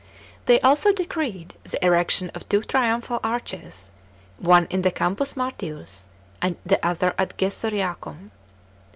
r\ hey also decreed the erection of two triumphal arches, one in the Campus Martins, the other at Gesoriacum.